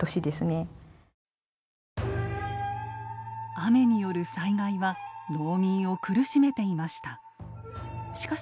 雨による災害は農民を苦しめていました。